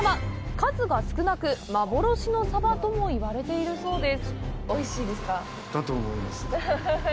数が少なく幻のサバとも言われているそうです。